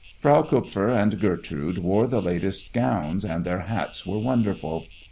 Frau Kupfer and Gertrude wore the latest gowns, and their hats were wonderful.